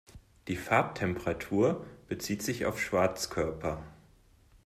Die Farbtemperatur bezieht sich auf Schwarzkörper.